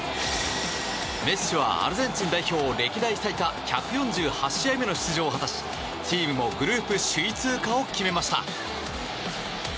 メッシはアルゼンチン代表歴代最多１４８試合目の出場を果たしチームもグループ首位通過を決めました。